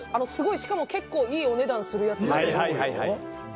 しかも結構いいお値段するやつで。